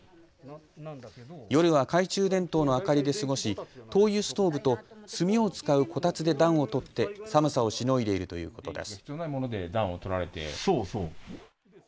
夜は懐中電灯の明かりで過ごし灯油ストーブと炭を使うこたつで暖を取って寒さをしのいでいるということです。